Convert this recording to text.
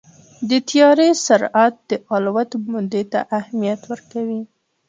د طیارې سرعت د الوت مودې ته اهمیت ورکوي.